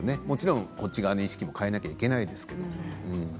もちろんこちら側の意識も変えないといけないですけど